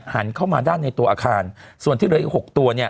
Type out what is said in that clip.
หันเข้ามาด้านในตัวอาคารส่วนที่เหลืออีก๖ตัวเนี่ย